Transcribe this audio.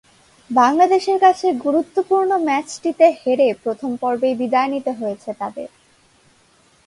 বাংলাদেশের কাছে গুরুত্বপূর্ণ ম্যাচটিতে হেরে প্রথম পর্বেই বিদায় নিতে হয়েছে তাদের।